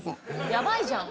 やばいじゃん。